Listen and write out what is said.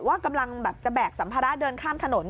กำลังแบบจะแบกสัมภาระเดินข้ามถนน